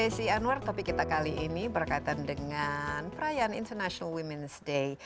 insight with desi anwar topik kita kali ini berkaitan dengan perayaan international women's day